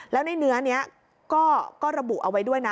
แล้วในเนื้อนี้ก็ระบุเอาไว้ด้วยนะ